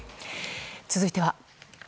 続いては。